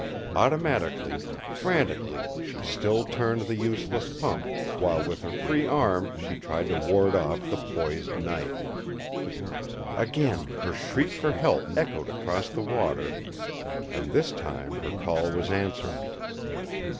Automatically, frantically, she still turned the useless pump, while with her free arm she tried to ward off the poised knife. Again her shriek for help echoed across the water and this time her call was answered.